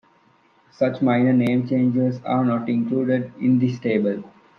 Such minor name changes are not included in this table.